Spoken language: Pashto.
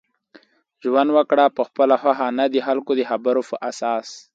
ژوند وکړه په خپله خوښه نه دخلکو دخبرو په اساس